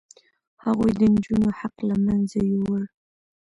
هغوی د نجونو حق له منځه یووړ.